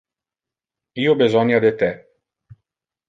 Io besonia de te.